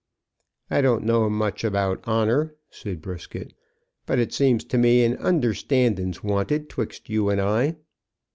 "I don't know much about honour," said Brisket; "but it seems to me an understandin's wanted 'twixt you and I."